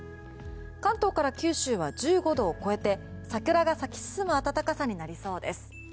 関東から九州は１５度を超えて桜が咲き進む暖かさになりそうです。